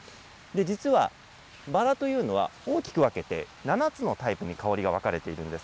実はバラというのは大きく分けて７つのタイプに香りが分かれているんです。